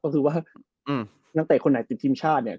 ตั้งแต่คนไหนติดทีมชาวเนี่ย